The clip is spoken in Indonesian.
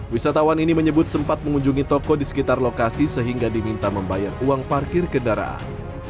wisatawan ini menyebut sempat mengunjungi toko di sekitar lokasi sehingga diminta membayar uang parkir kendaraan